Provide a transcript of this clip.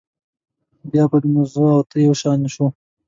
بیا به نو زه او ته یو شان شو.